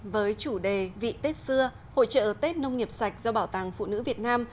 với chủ đề vị tết xưa hội trợ tết nông nghiệp sạch do bảo tàng phụ nữ việt nam